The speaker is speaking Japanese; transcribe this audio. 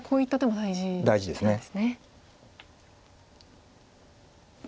大事です。